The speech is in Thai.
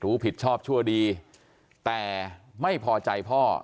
ผิดชอบชั่วดีแต่ไม่พอใจพ่อ